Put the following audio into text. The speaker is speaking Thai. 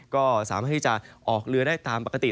ก็สามารถที่จะออกเรือได้ตามปกติ